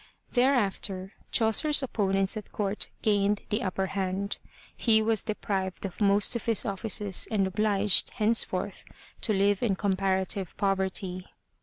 Thereafter Chaucer's op ponents at court gained the upper hand. He was deprived of most of his offices and obliged, henceforth, to live in comparative poverty.